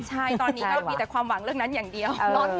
ใช่ตอนนี้ก็มีแต่ความหวังเรื่องนั้นอย่างเดียว